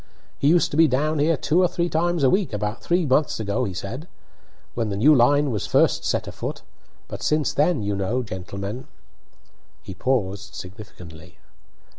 "He used to be down here two or three times a week about three months ago," said he, "when the new line was first set afoot; but since then, you know, gentlemen " He paused significantly.